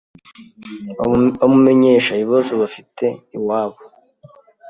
bamumenyesha ibibazo bafite iwabo